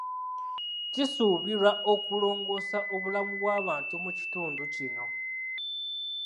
Kisuubirwa okulongosa obulamu bw'abantu mu kitundu kino.